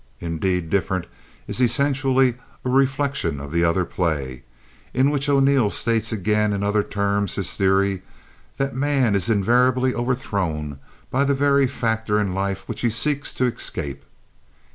Indeed Diff'rent is essentially a reflection of the other play, in which O'Neill states again in other terms his theory that man is invariably overthrown by the very factor in life which he seeks to escape.